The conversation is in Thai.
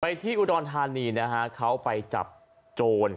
ที่อุดรธานีนะฮะเขาไปจับโจร